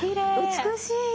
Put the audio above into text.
美しい。